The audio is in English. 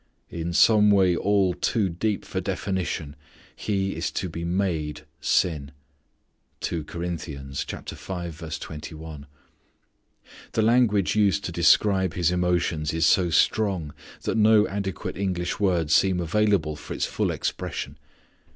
In some way all too deep for definition He is to be "made sin." The language used to describe His emotions is so strong that no adequate English words seem available for its full expression.